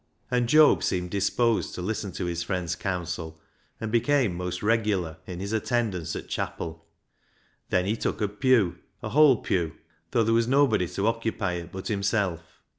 And Job seemed disposed to listen to his friend's counsel, and became most regular in his attendance at the chapel. 392 BECKSIDE LIGHTS Then he took a pew — a whole pew — though there was nobody to occupy it but himself.